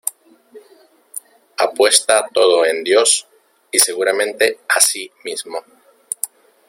Apuesta todo en Dios, y seguramente a sí mismo.